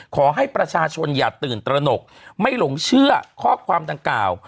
ขอให้ประชาชนอย่าตื่นตระหนกไม่หลงเชื่อข้อความดังกล่าว